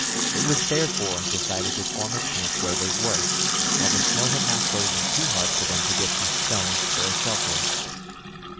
It was therefore decided to form a camp where they were, while the snow had not frozen too hard for them to get some stones for a shelter.